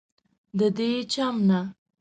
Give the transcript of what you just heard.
ددې چم نه